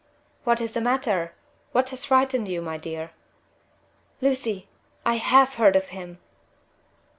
"What is the matter? What has frightened you, my dear?" "Lucy! I have heard of him!"